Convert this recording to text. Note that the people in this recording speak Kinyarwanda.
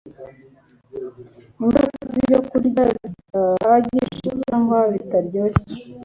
Ingaruka zIbyokurya Bidahagije cyangwa Bitaryoshye